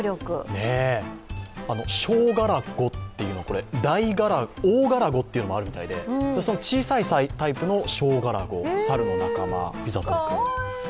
ショウガラゴっていうのは、オオガラゴというのもあるみたいで小さいタイプのショウガラゴ猿の仲間・ピザトル君。